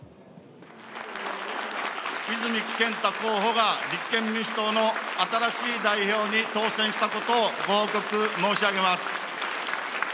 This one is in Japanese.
泉健太候補が、立憲民主党の新しい代表に当選したことをご報告申し上げます。